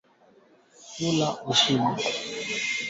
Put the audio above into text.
Aliidhinisha shilingi bilioni thelethini na nne.